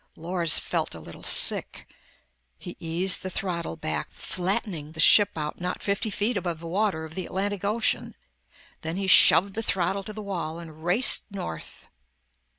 Lors felt a little sick. He eased the throttle back, flattening the ship out not fifty feet above the water of the Atlantic Ocean. Then he shoved the throttle to the wall and raced north.